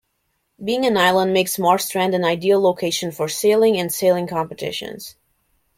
Being an island makes Marstrand an ideal location for sailing and sailing competitions.